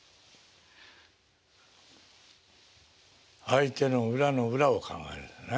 相手の裏の裏を考えるんですね。